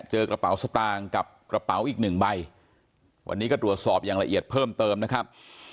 กระเป๋าสตางค์กับกระเป๋าอีกหนึ่งใบวันนี้ก็ตรวจสอบอย่างละเอียดเพิ่มเติมนะครับ